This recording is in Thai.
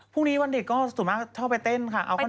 พรุ่งนี้วันเด็กก็สุดมากชอบไปเต้นค่ะเอาขนม